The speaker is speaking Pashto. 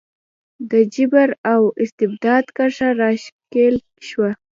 د جبر او استبداد کرښه راښکل شوه.